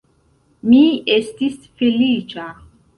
Mi estis feliĉa.